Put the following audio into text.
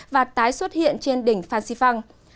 và tái xuất hiện trên đỉnh phan xì phăng